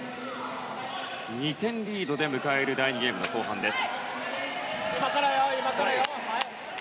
２点リードで迎える第２ゲーム後半です。